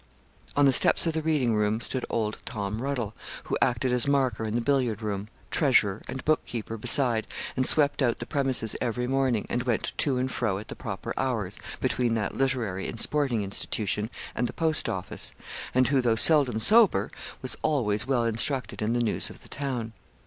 On the steps of the reading room stood old Tom Ruddle, who acted as marker in the billiard room, treasurer, and book keeper beside, and swept out the premises every morning, and went to and fro at the proper hours, between that literary and sporting institution and the post office; and who, though seldom sober, was always well instructed in the news of the town.